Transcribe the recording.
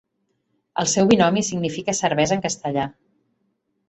El seu binomi significa cervesa en castellà.